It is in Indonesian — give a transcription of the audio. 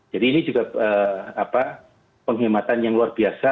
jadi ini juga penghematan yang luar biasa